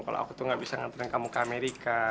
kalau aku tuh nggak bisa nganterin kamu ke amerika